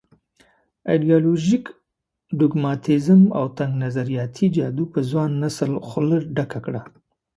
ایډیالوژيک ډوګماتېزم او تنګ نظریاتي جادو په ځوان نسل خوله ډکه کړه.